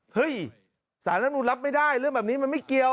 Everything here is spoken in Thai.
สารรัฐมนุนรับไม่ได้เรื่องแบบนี้มันไม่เกี่ยว